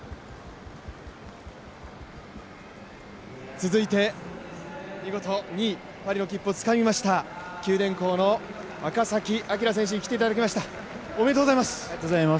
続いて見事２位、パリの切符をつかみました九電工の赤崎暁選手に来ていただきました、おめでとうございます。